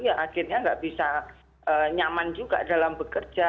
ya akhirnya nggak bisa nyaman juga dalam bekerja